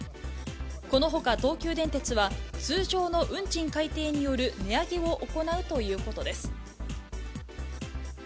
このほか東急電鉄は、通常の運賃改定による値上げを行うということです。